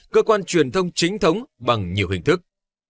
cơ quan truyền thông chính thống bằng nhiều hình thức